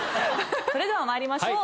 それでは参りましょう。